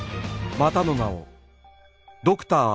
またの名をドクター Ｘ